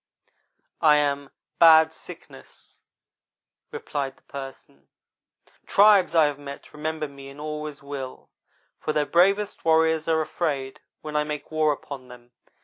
"'I am Bad Sickness,' replied the Person. 'Tribes I have met remember me and always will, for their bravest warriors are afraid when I make war upon them.